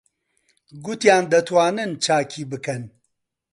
گوتیان دەتوانن چاکی بکەن.